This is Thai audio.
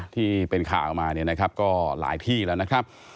ที่เป็นข่าวมาเนี่ยนะครับก็หลายที่แล้วนะครับ